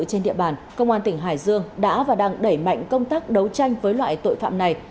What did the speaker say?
trên địa bàn công an tỉnh hải dương đã và đang đẩy mạnh công tác đấu tranh với loại tội phạm này